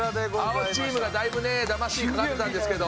青チームがだいぶねだましにかかってたんですけど。